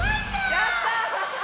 やった！